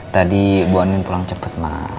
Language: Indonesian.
tadi bu anin pulang cepet ma